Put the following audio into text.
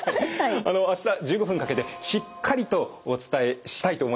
明日１５分かけてしっかりとお伝えしたいと思います。